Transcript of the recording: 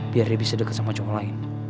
biar dia bisa deket sama cowok lain